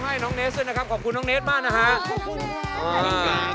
ความสุขแบบนี้เรามีนัดกันนะครับคุณอาจจะได้มาเลือกคู่อยู่ในรายการนี้ก็ได้